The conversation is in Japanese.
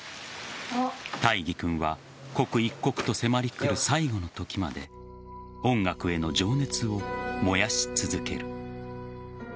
大義君は刻一刻と迫り来る最期の時まで音楽への情熱を燃やし続ける。